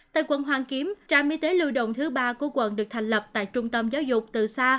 tại quận hoàn kiếm trạm y tế lưu động thứ ba của quận được thành lập tại trung tâm giáo dục từ xa